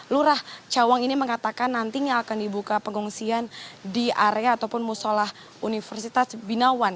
lurah cawang ini mengatakan nantinya akan dibuka pengungsian di area ataupun musolah universitas binawan